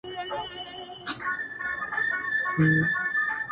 o بيا چي يخ سمال پټيو څخه راسي،